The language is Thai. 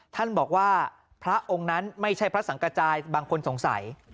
ท่านบอกว่าพระองค์นั้นไม่ใช่พระสังกระจายบางคนสงสัย